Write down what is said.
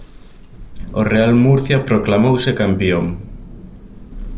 O Real Murcia proclamouse campión.